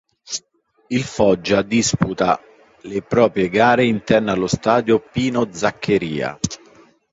Il Foggia disputa le proprie gare interne allo stadio Pino Zaccheria.